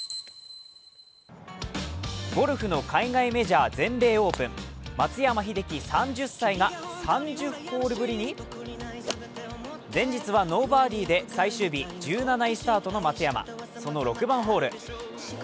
ゴルフのメジャー全米オープン松山英樹３０歳が３０ホールぶりに前日はノーバーディーで最終日、１７位スタートの松山、その６番ホール。